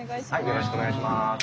よろしくお願いします。